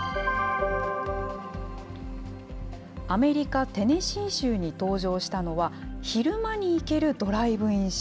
アメリカ・テネシー州に登場したのは、昼間に行けるドライブイン